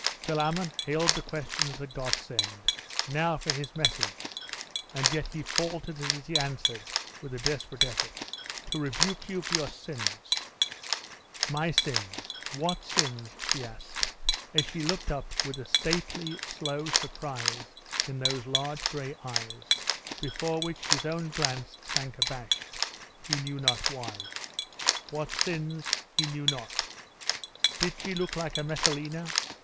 Philammon hailed the question as a godsend. Now for his message! And yet he faltered as he answered, with a desperate effort, 'To rebuke you for your sins.' 'My sins! What sins?' she asked, as she looked up with a stately, slow surprise in those large gray eyes, before which his own glance sank abashed, he knew not why. What sins? He knew not. Did she look like a Messalina?